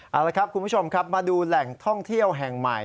เอาละครับคุณผู้ชมครับมาดูแหล่งท่องเที่ยวแห่งใหม่